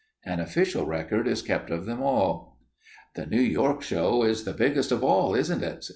An official record is kept of them all." "The New York show is the biggest of all, isn't it?"